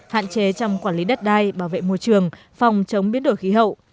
hạn chế trong quản lý đất đai bảo vệ môi trường phòng chống biến đổi khí hậu